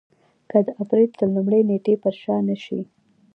که د اپرېل تر لومړۍ نېټې پر شا نه شي.